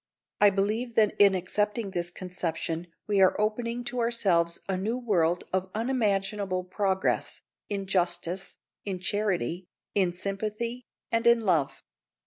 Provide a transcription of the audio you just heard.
I believe that in accepting this conception we are opening to ourselves a new world of unimaginable progress, in justice, in charity, in sympathy, and in love.